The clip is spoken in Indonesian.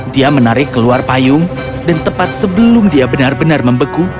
dia menarik keluar payung dan tepat sebelum dia benar benar membeku